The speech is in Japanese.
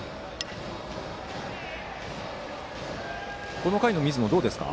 この回の水野はどうですか？